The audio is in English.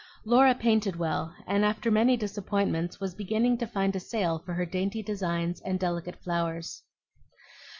Laura painted well, and after many disappointments was beginning to find a sale for her dainty designs and delicate flowers.